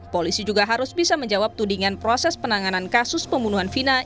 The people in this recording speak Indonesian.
polisi juga harus bisa menjawab tudingan proses penanganan kasus pembunuhan vina